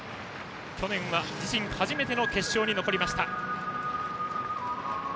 去年は自身初めての決勝に残りました。